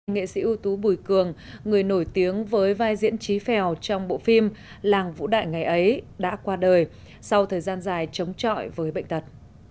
nghệ sĩ ưu tú bùi cường người nổi tiếng với vai diễn trí phèo trong bộ phim làng vũ đại ngày ấy đã qua đời sau thời gian dài chống trọi với bệnh tật